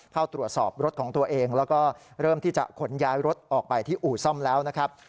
เข้าตรวจสอบรถของตัวเองแล้วก็เริ่มที่จะขนย้ายรถออกไปที่อู่ซ่อมแล้วนะครับ